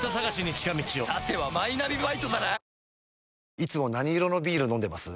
いつも何色のビール飲んでます？